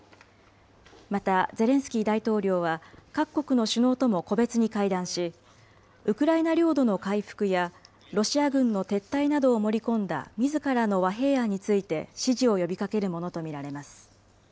また、ゼレンスキー大統領は各国の首脳とも個別に会談し、ウクライナ領土の回復や、ロシア軍の撤退などを盛り込んだみずからの和平案について支持を呼びかけるものと見られます。